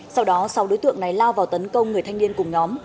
sau đó sau đối tượng này lao vào tấn công người thanh niên cùng nhóm